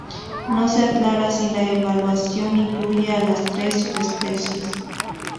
No se aclara si la evaluación incluye a las tres subespecies.